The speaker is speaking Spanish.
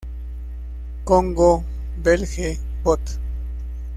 Congo Belge", Bot.